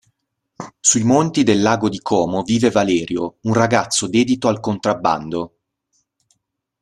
Sui monti del lago di Como vive Valerio, un ragazzo dedito al contrabbando.